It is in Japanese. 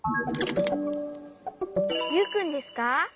ユウくんですか？